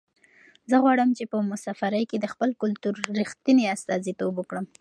زه غواړم چې په مسافرۍ کې د خپل کلتور رښتنې استازیتوب وکړم.